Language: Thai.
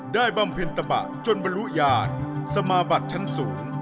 ได้บำพินตบัติจนบรรลุญาศสมาบัติชั้นสูง